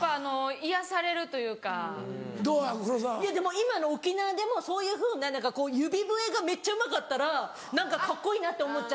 今の沖縄でもそういうふうな指笛がめっちゃうまかったら何かカッコいいなと思っちゃう。